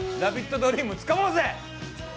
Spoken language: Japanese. ドリームつかもうぜ！